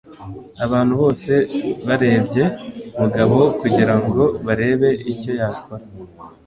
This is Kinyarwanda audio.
Abantu bose barebye Mugabo kugirango barebe icyo yakora.